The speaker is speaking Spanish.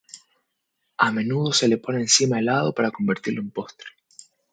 A menudo se le pone encima helado para convertirlo en postre.